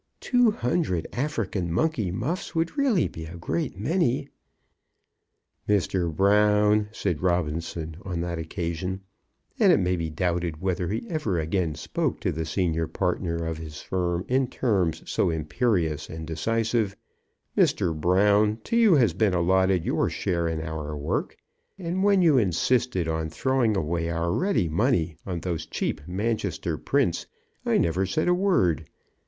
Two hundred African monkey muffs would really be a great many." "Mr. Brown," said Robinson on that occasion; and it may be doubted whether he ever again spoke to the senior partner of his firm in terms so imperious and decisive; "Mr. Brown, to you has been allotted your share in our work, and when you insisted on throwing away our ready money on those cheap Manchester prints, I never said a word.